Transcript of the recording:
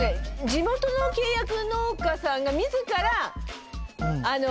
地元の契約農家さんが自らあの。